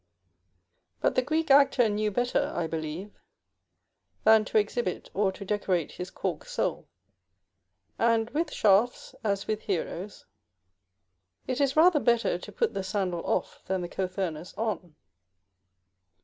But the Greek actor knew better, I believe, than to exhibit or to decorate his cork sole; and, with shafts as with heroes, it is rather better to put the sandal off than the cothurnus on.